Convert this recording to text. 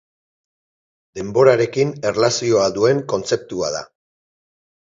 Denborarekin erlazioa duen kontzeptua da.